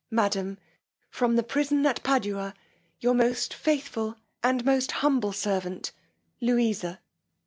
MADAM, From the prison at Padua. Your most faithful, and Most humble servant, LOUISA."